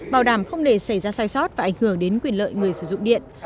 bảo đảm không để xảy ra sai sót và ảnh hưởng đến quyền lợi người sử dụng điện